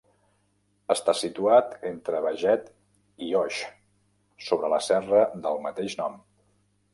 Està situat entre Beget i Oix sobre la serra del mateix nom.